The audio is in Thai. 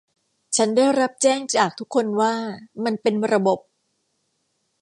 ฉันได้รับแจ้งจากทุกคนว่า มันเป็นระบบ